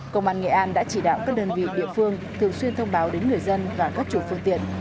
công an nghệ an đã chỉ đạo các đơn vị địa phương thường xuyên thông báo đến người dân và các chủ phương tiện